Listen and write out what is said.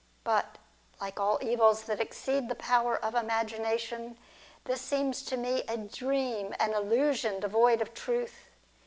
But, like all evils that exceed the power of imagination, this seems to me a dream and illusion, devoid of truth.